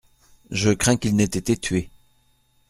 Je crains qu'il n'ait été tué.